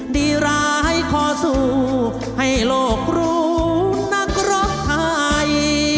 ดีร้ายขอสู้ให้โลกรู้นักรบไทย